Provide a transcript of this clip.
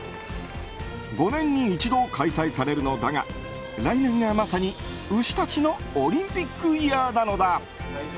５年に一度開催されるのだが来年がまさに牛たちのオリンピックイヤーなのだ。